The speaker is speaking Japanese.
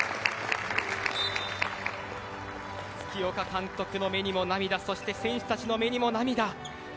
月岡監督の目にも涙そして選手たちの目にも涙。